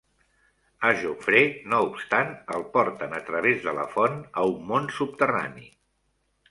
A Jaufré, no obstant, el porten a través de la font a un món subterrani.